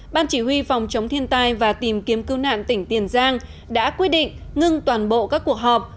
ban chỉ huy phòng chống thiên tai và tìm kiếm cứu nạn tỉnh tiền giang đã quyết định ngưng toàn bộ các cuộc họp